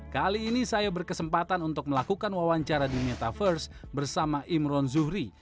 kali ini saya berkesempatan untuk melakukan wawancara di metaverse bersama imron zuhri